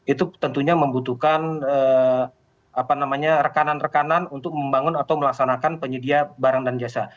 itu tentunya membutuhkan rekanan rekanan untuk membangun atau melaksanakan penyedia barang dan jasa